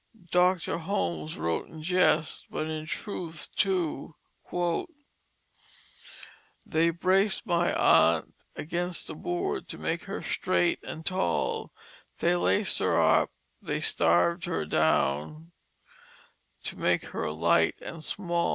Dr. Holmes wrote in jest, but in truth too: "They braced my aunt against a board To make her straight and tall, They laced her up, they starved her down, To make her light and small.